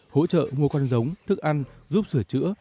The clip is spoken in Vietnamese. hỗ trợ mua con giống thức ăn giúp sửa chữa